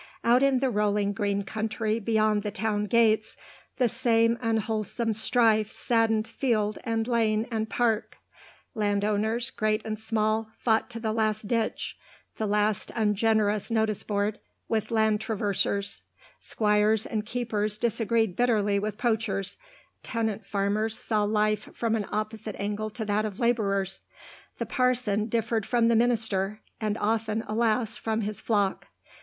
Out in the rolling green country beyond the town gates, the same unwholesome strife saddened field and lane and park. Land owners, great and small, fought to the last ditch, the last ungenerous notice board, with land traversers; squires and keepers disagreed bitterly with poachers; tenant farmers saw life from an opposite angle to that of labourers; the parson differed from the minister, and often, alas, from his flock.